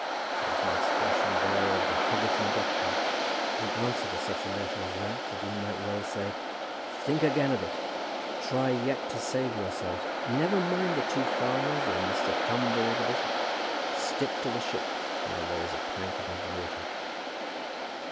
There was no expression there of the Hoggethan doctrine. In answer to such a letter as that the dean might well say, "Think again of it. Try yet to save yourself. Never mind the two farmers, or Mr. Thumble, or the bishop. Stick to the ship while there is a plank above the water."